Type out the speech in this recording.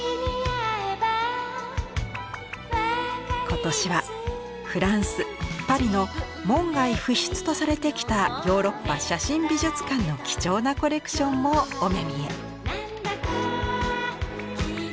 今年はフランスパリの門外不出とされてきたヨーロッパ写真美術館の貴重なコレクションもお目見え。